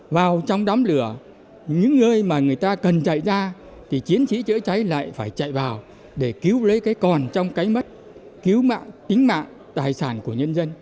vào trong đám lửa những người mà người ta cần chạy ra thì chiến sĩ chữa cháy lại phải chạy vào để cứu lấy cái còn trong cái mất cứu mạng tính mạng tài sản của nhân dân